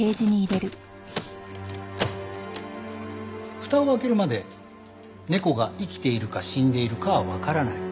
蓋を開けるまで猫が生きているか死んでいるかはわからない。